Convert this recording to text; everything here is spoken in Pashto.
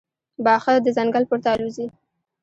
باښه د ځنګل پورته الوزي.